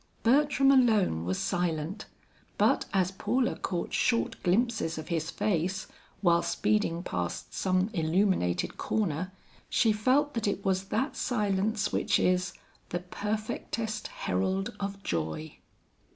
Bertram alone was silent, but as Paula caught short glimpses of his face, while speeding past some illuminated corner, she felt that it was that silence which is "the perfectest herald of joy."